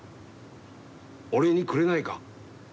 俺にくれないか？